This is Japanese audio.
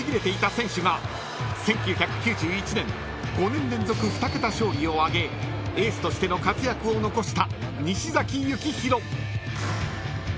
［１９９１年５年連続２桁勝利を挙げエースとしての活躍を残した］